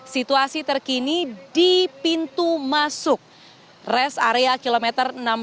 situasi terkini di pintu masuk rest area kilometer enam puluh